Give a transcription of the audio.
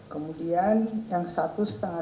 kemudian yang satu setengah